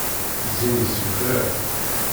Zzin-is Yufrar.